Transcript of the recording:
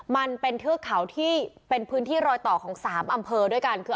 มันเป็นเทือกเขาที่เป็นพื้นที่รอยต่อของ๓อำเภอด้วยกันคือ